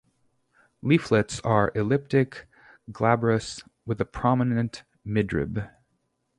Leaflets are elliptic, glabrous, with a prominent midrib.